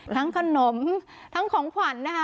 ขนมทั้งของขวัญนะคะ